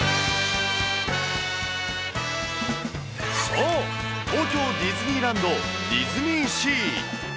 そう、東京ディズニーランド・ディズニーシー。